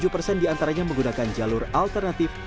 tiga puluh tujuh persen diantaranya menggunakan jalur alternatif